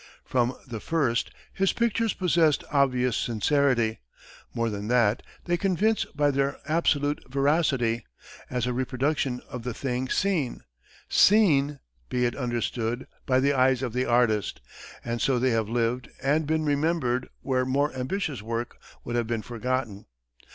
From the first, his pictures possessed obvious sincerity. More than that, they convince by their absolute veracity, as a reproduction of the thing seen seen, be it understood, by the eyes of the artist and so they have lived and been remembered where more ambitious work would have been forgotten.